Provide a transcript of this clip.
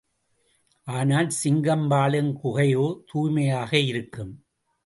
ஆனால், சிங்கம் வாழும் குகையோ தூய்மையாக இருக்கும்.